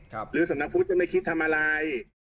หรือสำนักพุทธจะไม่คิดทำอะไร